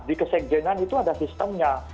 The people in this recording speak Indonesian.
di kesekjenan itu ada sistemnya